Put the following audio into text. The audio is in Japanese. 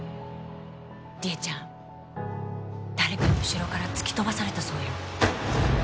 りえちゃん誰かに後ろから突き飛ばされたそうよ。